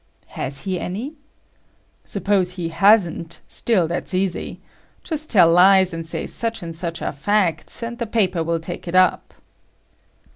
[P] "Has he any?" "Suppose he hasn't, still that's easy. Just tell lies and say such and such are facts, and the paper will take it up."